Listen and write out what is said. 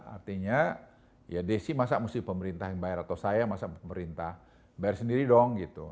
artinya ya desi masa mesti pemerintah yang bayar atau saya masa pemerintah bayar sendiri dong gitu